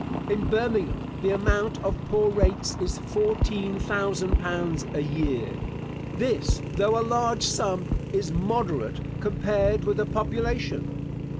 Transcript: In Birmingham, the amount of poor rates is fourteen thousand pounds a year. This, though a large sum, is moderate, compared with the population.